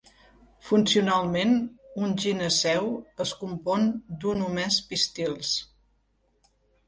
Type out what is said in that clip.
Funcionalment, un gineceu es compon d'un o més pistils.